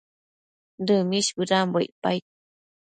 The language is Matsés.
Dëmish bëdambo icpaid